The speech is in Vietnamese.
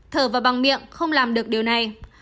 thở vào bằng miệng không làm được điều này